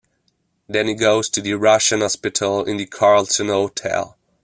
Then he goes to the Russian hospital in the Carlton Hotel.